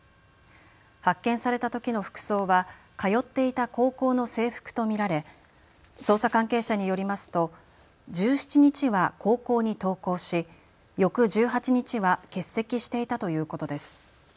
発見されたときの服装は通っていた高校の制服と見られ捜査関係者によりますと１７日は高校に登校し翌１８日は欠席していたということです。